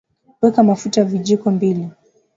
weka mafuta vijiko mbili